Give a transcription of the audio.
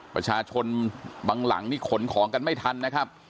ประชาชนบางหลังนี่ขนของกันไม่ทันนะครับ